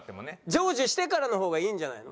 成就してからの方がいいんじゃないの？